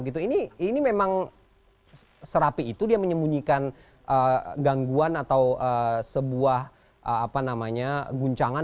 ini memang serapi itu dia menyembunyikan gangguan atau sebuah guncangan